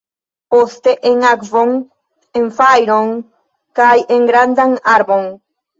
Poste en akvon, en fajron kaj en grandan arbon.